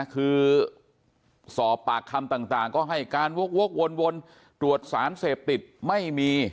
คือสอบปากคำต่างก็ให้การวกวนตรวจสารเสพติดไม่มี